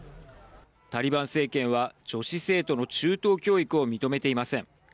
タリバン政権は女子生徒の中等教育を認めていません。